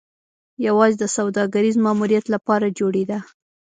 یوازې د سوداګریز ماموریت لپاره جوړېده